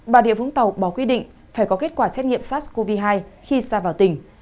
bà địa vũng tàu bỏ quy định phải có kết quả xét nghiệm sars cov hai khi ra vào tỉnh